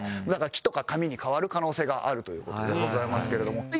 だから木とか紙に変わる可能性があるという事でございますけれども。